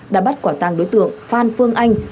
đã bắt quả tàng đối tượng phan phương anh